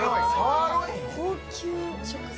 高級食材。